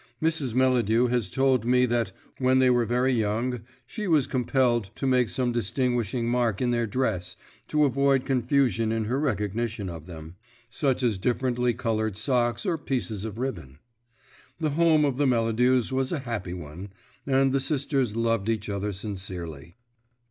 Mrs. Melladew has told me that when they were very young she was compelled to make some distinguishing mark in their dress to avoid confusion in her recognition of them, such as differently coloured socks or pieces of ribbon. The home of the Melladews was a happy one, and the sisters loved each other sincerely.